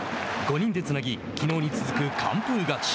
５人でつなぎきのうに続く完封勝ち。